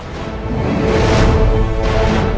aku akan menikah denganmu